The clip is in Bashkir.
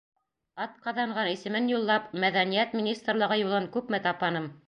Атҡаҙанған исемен юллап, Мәҙәниәт министрлығы юлын күпме тапаным.